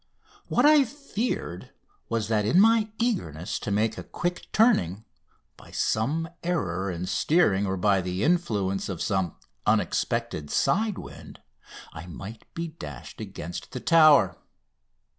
What I feared was that in my eagerness to make a quick turning, by some error in steering or by the influence of some unexpected side wind, I might be dashed against the Tower.